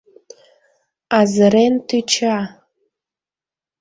Азырен тӱча!..